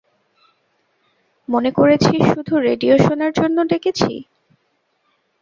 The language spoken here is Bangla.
মনে করেছিস শুধু রেডিও শোনার জন্য ডেকেছি।